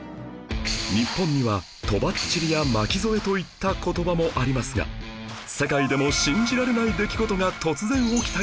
日本にはとばっちりや巻き添えといった言葉もありますが世界でも信じられない出来事が突然起きたりします